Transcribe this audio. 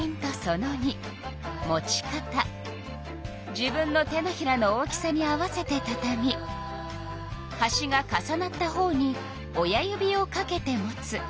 自分の手のひらの大きさに合わせてたたみはしが重なったほうに親指をかけて持つ。